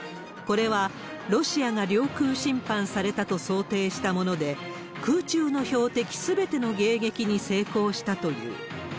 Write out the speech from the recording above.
これはロシアが領空侵犯されたと想定したもので、空中の標的すべての迎撃に成功したという。